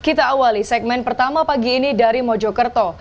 kita awali segmen pertama pagi ini dari mojokerto